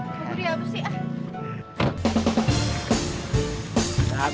oke aku dihabisi